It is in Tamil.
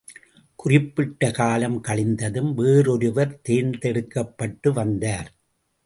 குறிப்பிட்ட காலம் கழிந்ததும், வேறொருவர் தேர்ந்தெடுக்கப்பட்டு வந்தார்.